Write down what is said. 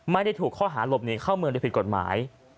ไม่ได้ถูกข้อหาหลบหนีเข้าเมืองโดยผิดกฎหมาย